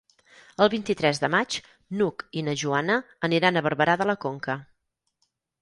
El vint-i-tres de maig n'Hug i na Joana aniran a Barberà de la Conca.